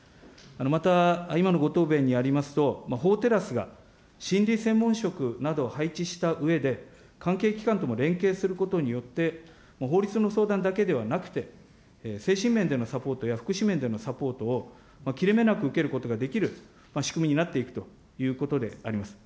また今のご答弁にありますと、法テラスが心理専門職などを配置したうえで、関係機関とも連携することによって法律の相談だけではなくて、精神面でのサポートや福祉面でのサポートを切れ目なく受けることができる仕組みになっていくということであります。